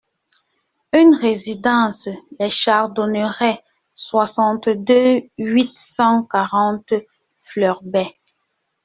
un résidence Les Chardonnerets, soixante-deux, huit cent quarante, Fleurbaix